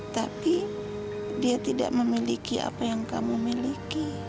tapi dia tidak memiliki apa yang kamu miliki